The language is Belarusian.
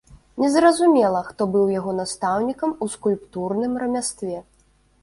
Незразумела, хто быў яго настаўнікам у скульптурным рамястве.